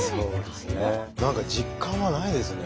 何か実感はないですね。